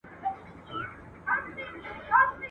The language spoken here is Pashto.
اره، اره ، لور پر غاړه.